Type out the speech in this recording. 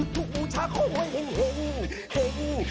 ทุกชาติของเฮ็ง